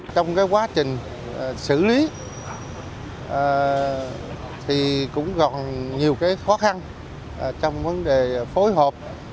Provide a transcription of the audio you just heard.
trong quá trình xử lý thì cũng còn nhiều khó khăn trong vấn đề phối hợp